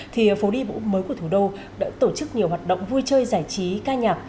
thì phố đi bộ mới của thủ đô đã tổ chức nhiều hoạt động vui chơi giải trí ca nhạc